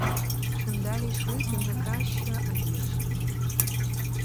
Чим далі йшли, тим не краще, а гірше.